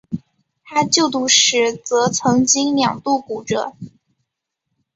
他就读时则曾经两度骨折。